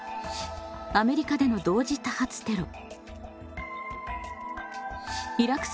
アメリカでの同時多発テロイラク